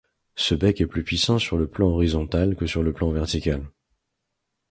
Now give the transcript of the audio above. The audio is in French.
Ce bec est plus puissant sur le plan horizontal que sur le plan vertical.